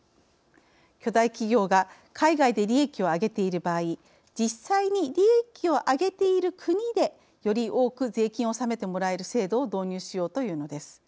巨大企業が海外で利益をあげている場合実際に利益をあげている国でより多く税金を納めてもらえる制度を導入しようというのです。